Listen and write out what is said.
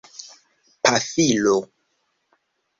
pafilo